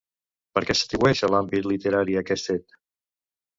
Per què s'atribueix a l'àmbit literari aquest fet?